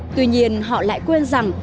tuy nhiên họ lại quên rằng